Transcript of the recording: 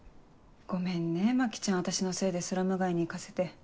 ごめんね牧ちゃん私のせいでスラム街に行かせて。